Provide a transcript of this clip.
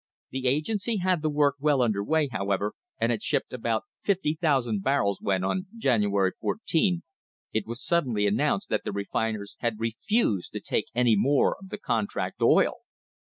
The agency had the work well under way, how ever, and had shipped about 50,000 barrels when, on January 14, it was suddenly announced that the refiners had refused to take any more of the contract oil!